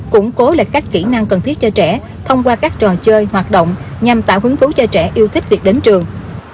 củng cố lại các kỹ năng cần thiết cho trẻ thông qua các trò chơi hoạt động nhằm tạo hứng thú cho trẻ yêu thích việc đến trường